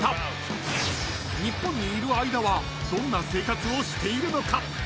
［日本にいる間はどんな生活をしているのか？］